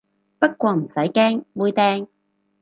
不過唔使驚，妹釘